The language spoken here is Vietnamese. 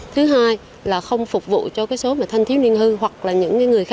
triển khai nhiều biện pháp nghiệp